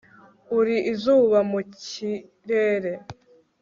uri izuba mu kirere